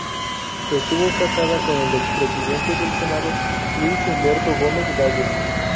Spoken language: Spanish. Estuvo casada con el expresidente del Senado Luis Humberto Gómez Gallo.